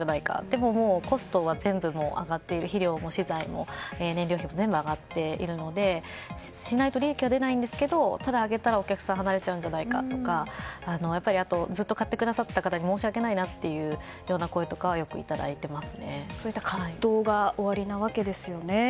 でもコストは全部上がって肥料も資材も燃料費も全部上がっているのでしないと利益は出ないんですけど上げたらお客さんは買わないんじゃないかとかやっぱりずっと買ってくださった方に申し訳ないなという声をそういった葛藤がおありなわけですよね。